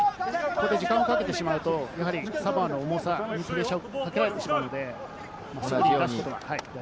時間をかけてしまうとサモアの重さにプレッシャーをかけられてしまうので。